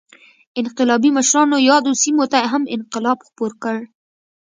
انقلابي مشرانو یادو سیمو ته هم انقلاب خپور کړ.